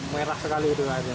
merah sekali itu airnya